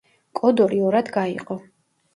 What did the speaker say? კოდორი ორად გაიყო.